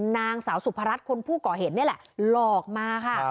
นางสาวสุพรัชคนผู้ก่อเหตุนี่แหละหลอกมาค่ะ